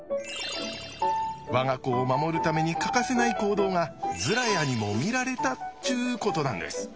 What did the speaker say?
我が子を守るために欠かせない行動がズラヤにも見られたっちゅうことなんです。